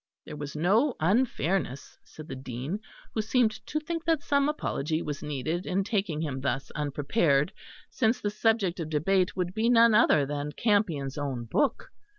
There was no unfairness, said the Dean, who seemed to think that some apology was needed, in taking him thus unprepared, since the subject of debate would be none other than Campion's own book.